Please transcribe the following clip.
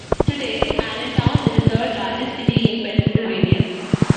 Today, Allentown is the third largest city in Pennsylvania.